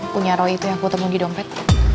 punya roy itu yang aku temuin di dompet